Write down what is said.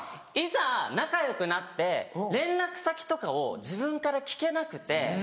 いざ仲よくなって連絡先とかを自分から聞けなくて。